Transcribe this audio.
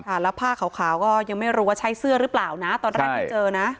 แล้วผ้าขาวก็ยังไม่รู้ว่าใช้เสื้อหรือเปล่านะตอนแรกที่เจอนะ